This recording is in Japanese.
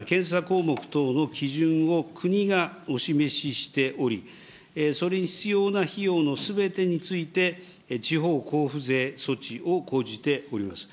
そのけんこう費用、健診費用を負担することや検査項目等の基準を国がお示ししており、それに必要な費用のすべてについて、地方交付税措置を講じております。